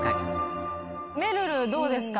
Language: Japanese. めるるどうですか？